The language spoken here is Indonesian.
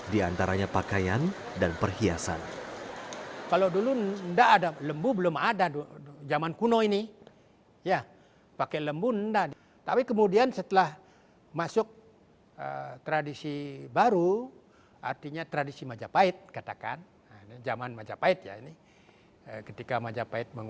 di antaranya pakaian dan perhiasan